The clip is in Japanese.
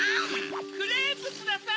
・クレープください！